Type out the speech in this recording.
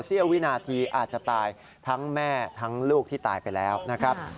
เสี้ยววินาทีอาจจะตายทั้งแม่ทั้งลูกที่ตายไปแล้วนะครับ